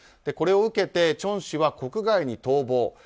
これを受けてチョン氏は国外に逃亡。